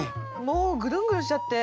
もうぐるんぐるんしちゃって。